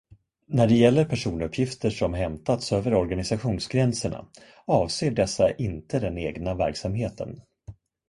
När det gäller personuppgifter som hämtats över organisationsgränserna, avser dessa inte den egna verksamheten.